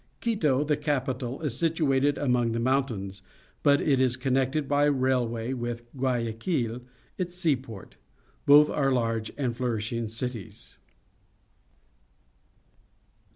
— Quito, the capital, is situated among the mountains, but it is connected by railway with Guayaquil, its seaport. Both are large and flourishing cities.